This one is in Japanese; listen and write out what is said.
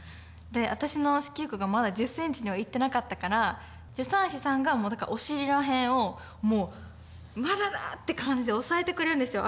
で私の子宮口がまだ１０センチにはいってなかったから助産師さんがお尻らへんをもう「まだだ」って感じで押さえてくるんですよ。